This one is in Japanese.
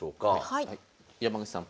山口さん